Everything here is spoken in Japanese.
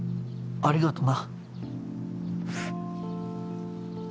ありがとな。